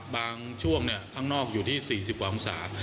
บางช่วงข้างนอกอยู่ที่๔๐กว่าองศา